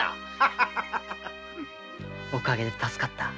おかげで助かった。